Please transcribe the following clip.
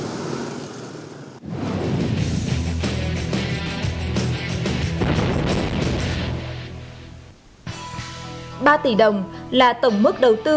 cảm ơn các bạn đã theo dõi và hẹn gặp lại